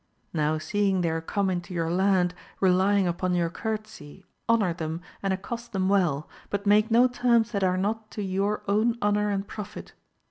Now seeing they are come into your land, relying upon your courtesy, honour them and accost them well, but make no terms that are not to your own honour and profit.